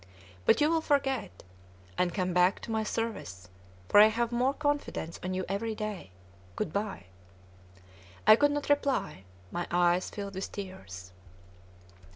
But you will forget, and come back to my service, for I have more confidence on you every day. Good by!" I could not reply; my eyes filled with tears.